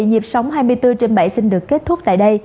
dịp sóng hai mươi bốn trên bảy xin được kết thúc tại đây